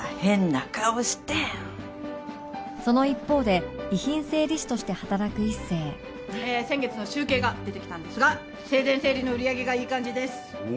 その一方で遺品整理士として働く一星えー先月の集計が出てきたんですが生前整理の売り上げがいい感じです。